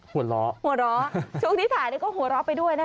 หัวเราะฮ่า